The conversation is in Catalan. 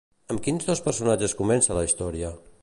Amb quins dos personatges comença la història?